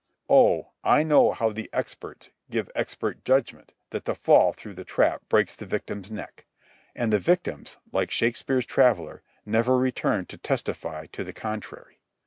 Oh, I know how the experts give expert judgment that the fall through the trap breaks the victim's neck. And the victims, like Shakespeare's traveller, never return to testify to the contrary.